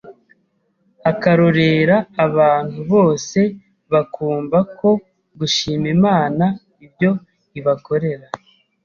akarorero abantu bose, bakumva ko gushima imana ibyo ibakorera